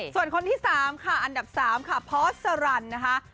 ส่วนคนที่สามค่ะอันดับสามค่ะพอร์สสาหร่านนะคะ